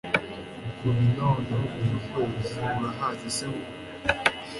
ku binono by'ukwezi urahazi se wowe